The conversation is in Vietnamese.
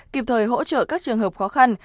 kịp thời hỗ trợ các trường hợp khó khăn